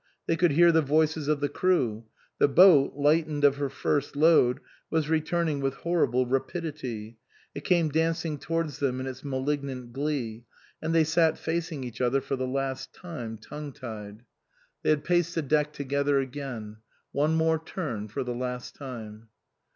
They could hear the voices of the crew ; the boat, lightened of her first load, was returning with horrible rapidity, it came dancing towards them in its malignant glee ; and they sat facing each other for the last time, tongue tied. 186 OUTWARD BOUND They had paced the deck together again ; one more turn for the last time.